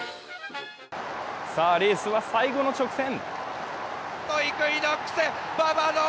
レースは最後の直線。